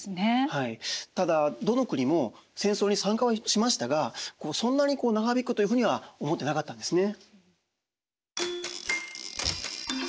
ただどの国も戦争に参加はしましたがそんなに長引くというふうには思ってなかったんですね。